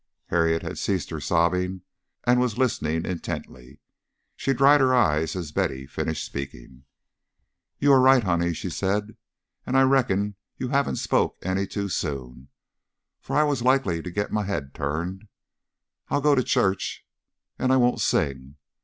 Harriet had ceased her sobbing and was listening intently. She dried her eyes as Betty finished speaking. "You are right, honey," she said. "And I reckon you haven't spoken any too soon, for I was likely to get my head turned. I'll go to church and I won't sing.